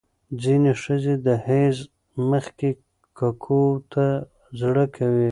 ځینې ښځې د حیض مخکې ککو ته زړه کوي.